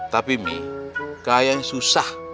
tapi mi kaya yang susah